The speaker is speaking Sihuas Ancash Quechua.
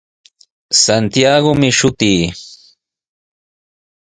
Santiagomi shutii.